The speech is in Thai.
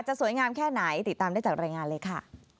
สวยงามแค่ไหนติดตามได้จากรายงานเลยค่ะ